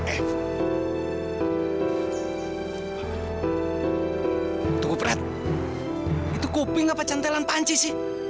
eh tunggu prat itu kopi nggak pacantelan panci sih